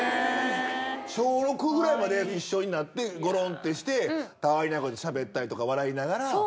小６ぐらいまで一緒になってごろんてして、たわいないことしゃべったりとか、笑いながら。